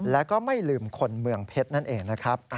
แล้วก็ไม่ลืมคนเมืองเพชรนั่นเองนะครับ